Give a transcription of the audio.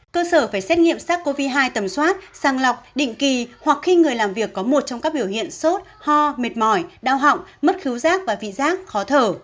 cơ sở phải xét nghiệm sắc covid hai tầm soát sàng lọc định kỳ hoặc khi người làm việc có một trong các biểu hiện sốt ho mệt mỏi đau họng mất khíu rác và vị rác khó thở